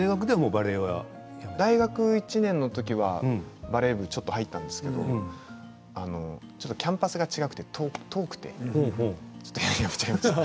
大学１年生のときはバレー部にちょっと入ったんですけれどキャンパスが違くて遠くてやめてしまいました。